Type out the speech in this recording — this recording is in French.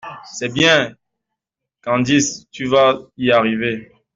C’est bien, Candice, tu vas y arriver!